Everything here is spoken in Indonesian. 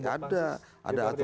ada ke arah situ